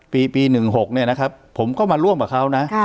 ปีปีหนึ่งหกเนี้ยนะครับผมก็มาร่วมกับเขานะค่ะ